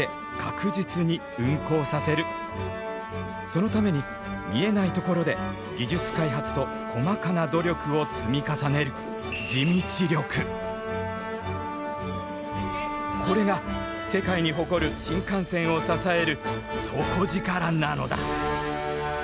そのために見えないところで技術開発と細かな努力を積み重ねるこれが世界に誇る新幹線を支える「底力」なのだ。